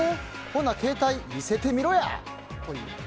ほな携帯見せてみろや！！」。